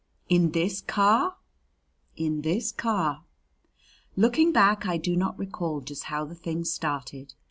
"In this car?" "In this car." Looking back, I do not recall just how the thing started.